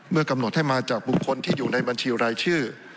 กำหนดให้มาจากบุคคลที่อยู่ในบัญชีรายชื่อ